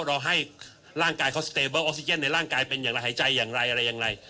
เราให้ร่างกายเขาในร่างกายเป็นอย่างไรหายใจอย่างไรอะไรอย่างไร